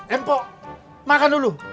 empok makan dulu